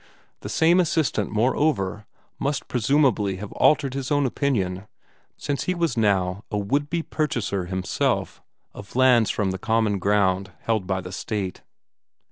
That same assistant, moreover, must presumably have altered his own opinion, since he was now a would be purchaser himself of lands from the common ground held by the State.